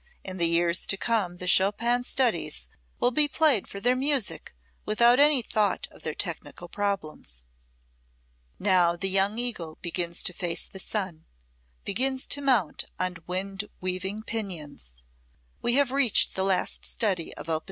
In the years to come the Chopin studies will be played for their music, without any thought of their technical problems. Now the young eagle begins to face the sun, begins to mount on wind weaving pinions. We have reached the last study of op.